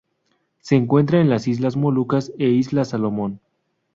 Se encuentran en las Islas Molucas e Islas Salomón.